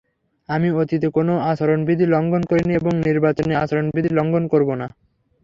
আমি অতীতে কোনো আচরণবিধি লঙ্ঘন করিনি এবং নির্বাচনে আচরণবিধি লঙ্ঘন করব না।